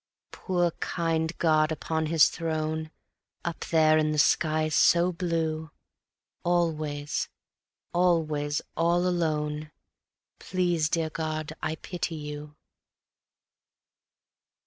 Poor kind God upon His throne, Up there in the sky so blue, Always, always all alone ... "_Please, dear God, I pity You.